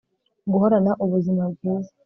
guhorana ubuzima bwiza